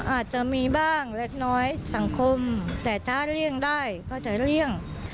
อาจจะมีบ้างเล็กน้อยสังคมแต่ถ้าเลี่ยงได้ก็จะเลี่ยง